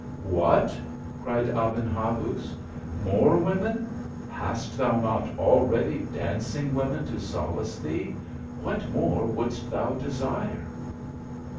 " What !" cried Aben Habuz, " more women ! hast thou not already dancing women to solace thee what more wouldst thou desire."